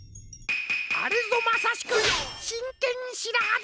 あれぞまさしくしんけんしらはどり！